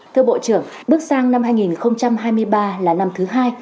thưa bộ trưởng bước sang năm hai nghìn hai mươi ba là năm thứ hai